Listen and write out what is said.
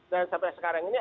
dan sampai sekarang ini